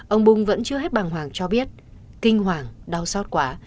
ông bung vẫn chưa hết bàng hoàng cho biết kinh hoàng đau xót quá